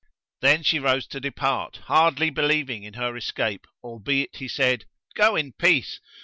Then she rose to depart, hardly believing, in her escape albeit he said, "Go in peace!"